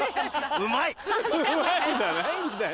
「うまい」じゃないんだよ。